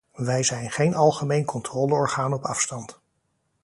Wij zijn geen algemeen controleorgaan op afstand.